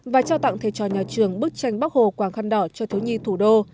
và trao tặng thầy trò nhà trường bức tranh bắc hồ quảng khăn đỏ cho thiếu nhi thủ đô